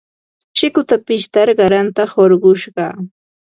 Chikuta pishtar qaranta hurqushqaa.